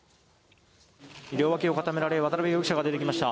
両脇を固められ渡邉容疑者が出てきました。